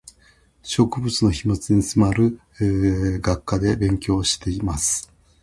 植物の秘密に迫る学科で勉強をしています